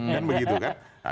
dan begitu kan